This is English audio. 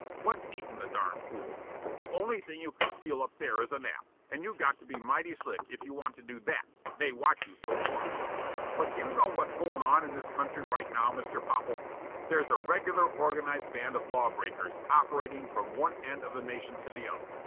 What's eatin' the darn fools? The only thing you can steal up there is a nap, and you got to be mighty slick if you want to do that, they watch you so close. But do you know what's going on in this country right now, Mr. Popple? There's a regular organized band of law breakers operating from one end of the nation to the other.